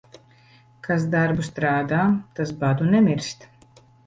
Kas darbu strādā, tas badu nemirst.